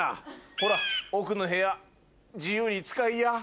ほら奥の部屋自由に使いや。